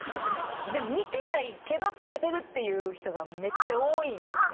でも見てないけどつけてるっていう人がめっちゃ多いんですね